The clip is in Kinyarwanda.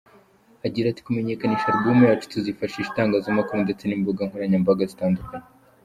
Agira ati “Kumenyekanisha album yacu tuzifashisha itangazamakuru ndetse n’imbuga nkoranyambaga zitandukanye.